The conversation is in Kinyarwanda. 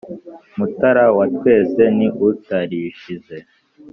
mutara wa twese nti utarishize,